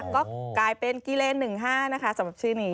ก็กลายเป็นกิเลน๑๕นะคะสำหรับชื่อนี้